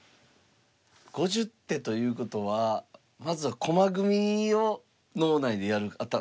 ５０手ということはまずは駒組みを脳内でやる感じなんですかね。